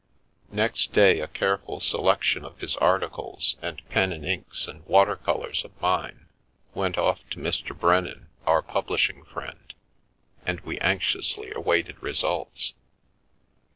." NEXT day a careful selection of his articles, and pen and inks and water colours of mine, went off to Mr. Brennan, our publishing friend, and we anxiously awaited results.